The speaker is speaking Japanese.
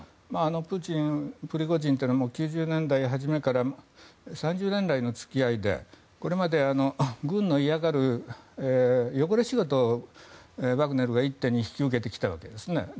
プーチン、プリゴジンは９０年代初めから３０年来の付き合いでこれまで軍の嫌がる汚れ仕事をワグネルは一手に引き受けてきたわけです。